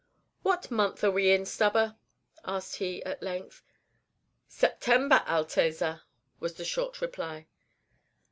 "What month are we in, Stubber?" asked he, at length. "September, Altezza," was the short reply.